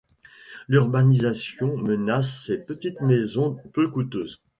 L’urbanisation menace ces petites maisons peu coûteuses.